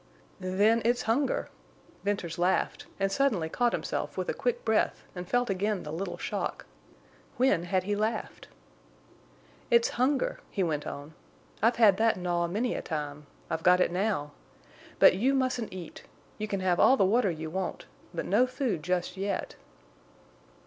"Then it's hunger." Venters laughed, and suddenly caught himself with a quick breath and felt again the little shock. When had he laughed? "It's hunger," he went on. "I've had that gnaw many a time. I've got it now. But you mustn't eat. You can have all the water you want, but no food just yet."